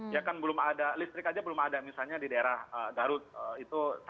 ya kan belum ada listrik aja belum ada misalnya di daerah garut itu